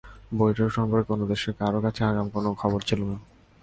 বৈঠক সম্পর্কে কোনো দেশের কারও কাছেই আগাম কোনো খবর ছিল না।